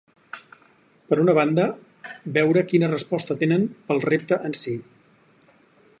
Per una banda veure quina resposta tenen pel repte en sí.